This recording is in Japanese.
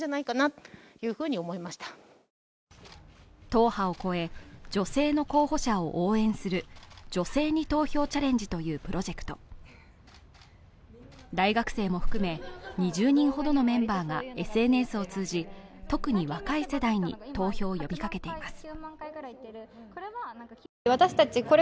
党派を超え女性の候補者を応援する女性に投票チャレンジというプロジェクト大学生も含め２０人ほどのメンバーがＳＮＳを通じ特に若い世代に投票を呼び掛けています